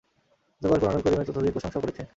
অতঃপর কুরআনুল করীমের ততোধিক প্রশংসা করেছেন।